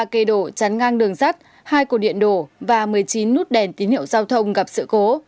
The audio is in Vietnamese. ba cây đổ chắn ngang đường sắt hai cổ điện đổ và một mươi chín nút đèn tín hiệu giao thông gặp sự cố